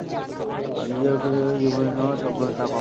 নিজের রূপে ফিরে গেলে যে জীবনের স্বপ্ন দেখেছিলাম, তা পাবো আমি।